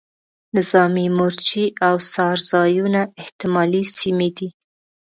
نظامي مورچې او څار ځایونه احتمالي سیمې دي.